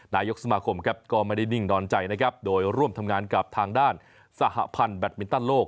นายกสมาคมครับก็ไม่ได้นิ่งนอนใจนะครับโดยร่วมทำงานกับทางด้านสหพันธ์แบตมินตันโลก